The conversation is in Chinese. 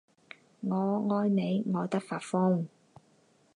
我爱你爱的发疯